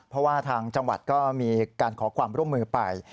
เพราะว่าทางจังหวัดก็มีการขอความร่วมมือไป